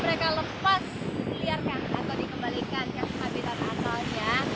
penyu yang sudah mereka lepas dikembalikan ke habitat asalnya